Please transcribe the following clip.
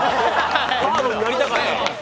カードになりたかった